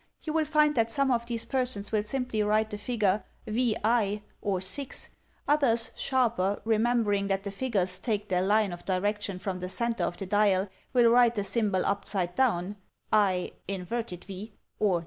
You will find that some of these persons will simply write the figure VI or 6; others, sharper, remembering that the figures take their line of direction from the centre of the dial, will write the symbol upside down, lA or 9.